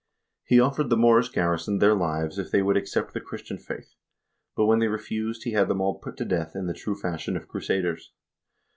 He offered the Moorish garrison their lives if they would accept the Christian faith, but when they refused, he had them all put to death in the true fashion of crusaders.